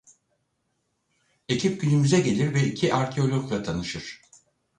Ekip günümüze gelir ve iki arkeologla tanışır.